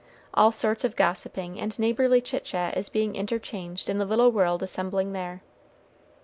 All sorts of gossiping and neighborly chit chat is being interchanged in the little world assembling there.